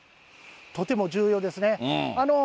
とても重要ですね。